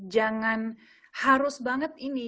jangan harus banget ini